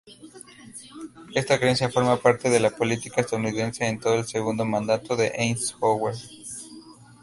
Esta creencia forma de la política estadounidense en todo el segundo mandato de Eisenhower.